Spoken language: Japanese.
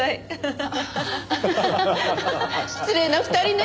ハハ失礼な２人ね